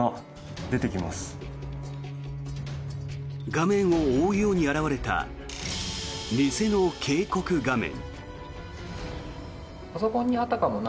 画面を覆うように現れた偽の警告画面。